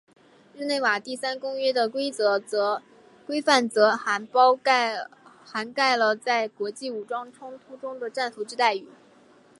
日内瓦第三公约的规范则涵盖了在国际武装冲突中的战俘之待遇。